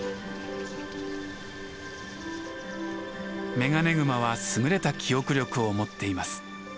メガネグマは優れた記憶力を持っています。